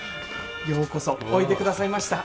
ようこそおいでくださいました。